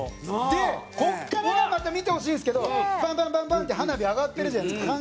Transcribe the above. でここからがまた見てほしいんですけどバンバンバンバンって花火上がってるじゃないですか。